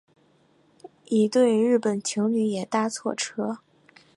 一对日本情侣也搭错车